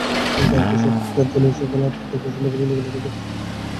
পার্কটি সপ্তাহে সাত দিনই সকাল আটটা থেকে সন্ধ্যা পর্যন্ত খোলা থাকে।